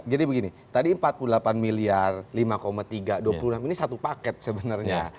begini tadi empat puluh delapan miliar lima tiga dua puluh enam ini satu paket sebenarnya